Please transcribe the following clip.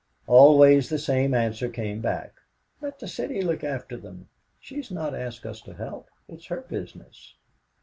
Always the same answer came back: "Let the City look after them. She has not asked us to help. It's her business."